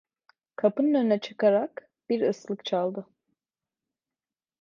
Kapının önüne çıkarak bir ıslık çaldı.